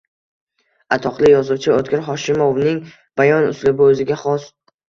Atoqli yozuvchi O‘tkir Hoshimovning bayon uslubi o‘ziga xos.